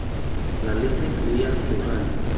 La lista incluía Durrani.